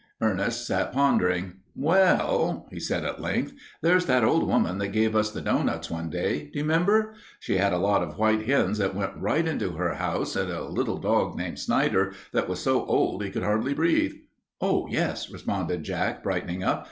Ernest sat pondering. "Well," said he at length, "there's that old woman that gave us the doughnuts one day. Do you remember? She had a lot of white hens that went right into her house, and a little dog named Snider that was so old he could hardly breathe." "Oh, yes," responded Jack, brightening up.